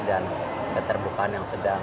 dan keterbukaan yang sedang